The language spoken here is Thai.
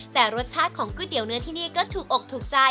แต่รสชาติของนู้นที่นี่ก็ถูกอกถูกใจ